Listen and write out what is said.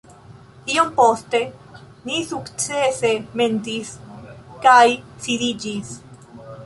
Iom poste, ni sukcese mendis kaj sidiĝis